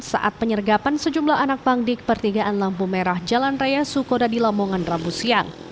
saat penyergapan sejumlah anak pang di kepertigaan lampu merah jalan raya sukoda di lamongan rabu siang